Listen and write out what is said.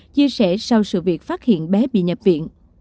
chia sẻ sau sự việc phát hiện bé bị nhập viện